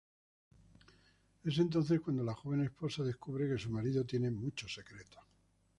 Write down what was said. Es entonces cuando la joven esposa descubre que su marido tiene muchos secretos...